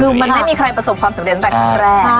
คือมันไม่มีใครประสบความสำเร็จตั้งแต่ครั้งแรก